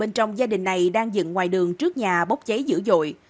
bên trong gia đình này đang dựng ngoài đường trước nhà bốc cháy dữ dội